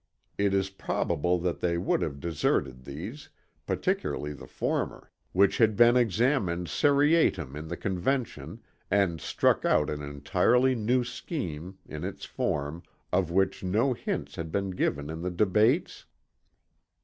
Is it probable that they would have deserted these, particularly the former, which had been examined seriatim in the convention, and struck out an entirely new scheme (in its form) of which no hints had been given in the debates?